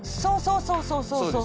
そうそうそうそう。